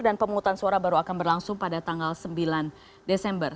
dan pemungutan suara baru akan berlangsung pada tanggal sembilan desember